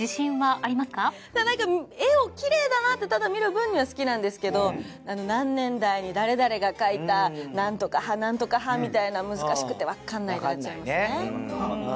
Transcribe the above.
絵を奇麗だなってただ見る分には好きなんですけど何年代に誰々が描いた何とか派何とか派みたいな難しくて分かんなくなっちゃいます。